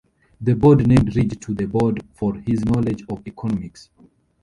The board named Ridge to the board for his knowledge of economics.